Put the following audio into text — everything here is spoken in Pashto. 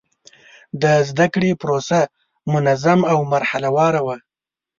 د زده کړې پروسه منظم او مرحله وار وه.